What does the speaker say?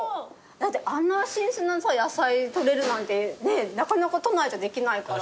だってあんな新鮮な野菜採れるなんてなかなか都内じゃできないから。